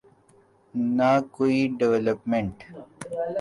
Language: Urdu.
نہ کوئی ڈویلپمنٹ۔